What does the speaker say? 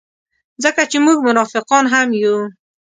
ځکه چې موږ منافقان هم یو.